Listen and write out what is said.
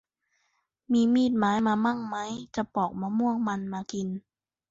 มีมีดไม้มามั่งไหมจะปอกมะม่วงมันมากิน